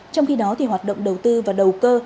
trong khi đó thì hoạt động đầu tư và đầu cơ